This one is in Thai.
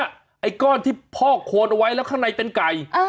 ไอ้ก้อนที่พอกโคนเอาไว้แล้วข้างในเป็นไก่